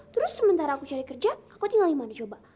terus sementara aku cari kerja aku tinggal dimana coba